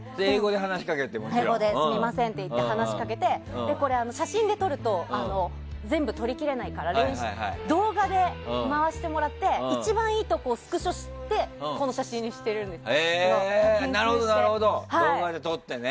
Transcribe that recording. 英語ですみませんって話しかけて、写真で撮ると全部撮りきれないから動画で回してもらって一番いいところをスクショしてこの写真にしてるんです。